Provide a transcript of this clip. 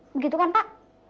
begitu kan pak